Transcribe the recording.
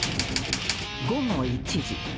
［午後１時］